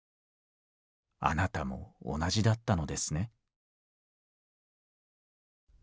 あなたも同じだったのですね」。